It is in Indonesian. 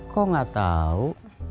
kok gak tau